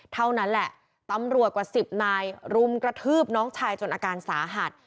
เท่านั้นแหละตำรวจกว่าสิบนายรุมกระทืบน้องชายจนอาการสาหัส